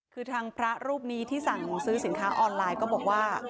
คือทางพระรูปนี้ที่สั่งซื้อสินค้าออนไลน์ก็บอกว่า